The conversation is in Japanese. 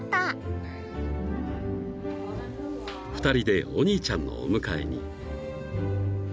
［２人でお兄ちゃんのお迎えに］